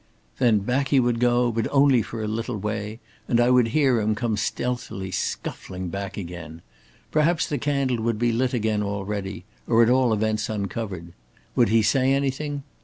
Then back he would go, but only for a little way, and I would hear him come stealthily scuffling back again. Perhaps the candle would be lit again already, or at all events uncovered. Would he say anything?